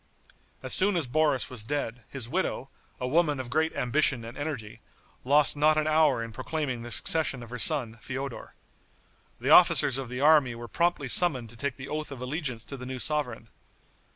As soon as Boris was dead, his widow, a woman of great ambition and energy, lost not an hour in proclaiming the succession of her son, Feodor. The officers of the army were promptly summoned to take the oath of allegiance to the new sovereign.